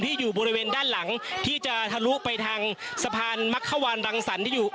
อยู่บริเวณด้านหลังที่จะทะลุไปทางสะพานมักขวานรังสรรค์ที่อยู่